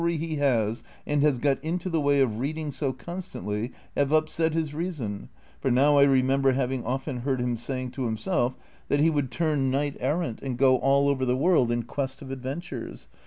^9 books of oliivahy he has, and has got into the way of reading so constantly, have npset his reason ; for now I remember having often heard him saying to himself that he Avould tnru knight errant and go all over the world in quest of adventures.